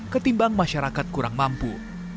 ketimbang masyarakat kurang mampu